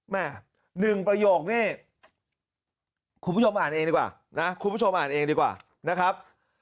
หนึ่งประโยคนี้คุณผู้ชมอ่านเองดีกว่านะคุณผู้ชมอ่านเองดีกว่านะครับ